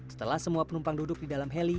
setelah semua penumpang duduk di dalam heli